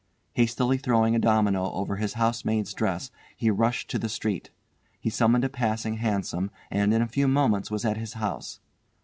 Hastily throwing a domino over his housemaid's dress, he rushed to the street. He summoned a passing hansom, and in a few moments was at his house.